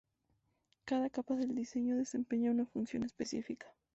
Cada capa del diseño desempeña una función específica.